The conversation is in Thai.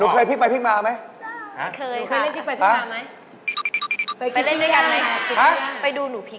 สิมีใครลบันนี้